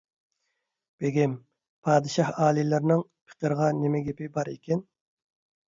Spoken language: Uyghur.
بېگىم، پادىشاھ ئالىيلىرىنىڭ پېقىرغا نېمە گېپى بار ئىكىن؟